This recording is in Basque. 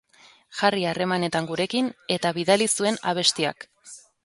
Jarri harremaetan gurekin eta bidali zuen abestiak!